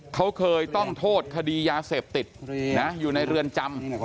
เขาเคยต้องโทษคดียาเสพติดอยู่ในเรือนจำ